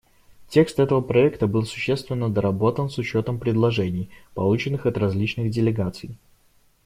Текст этого проекта был существенно доработан с учетом предложений, полученных от различных делегаций.